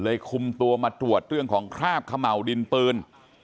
คุมตัวมาตรวจเรื่องของคราบเขม่าวดินปืน